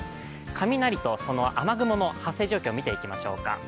雷と雨雲の発生状況を見ていきましょうか。